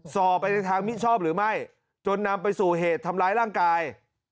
สอบไปในทางมิชอบหรือไม่จนนำไปสู่เหตุทำร้ายร่างกาย